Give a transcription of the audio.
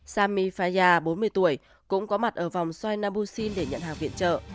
sami fayah bốn mươi tuổi cũng có mặt ở vòng soi nabusin để nhận hàng viện chợ